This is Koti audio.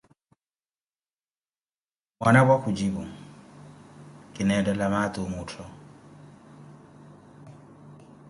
Mwanapwa kujipu: Kineethela maati omuttho.